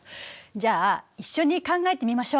じゃあ一緒に考えてみましょう。